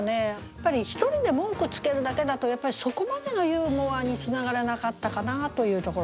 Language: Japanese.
やっぱり一人で文句つけるだけだとやっぱりそこまでのユーモアにつながらなかったかなというところですね。